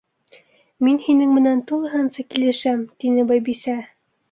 —Мин һинең менән тулыһынса килешәм, —тине Байбисә.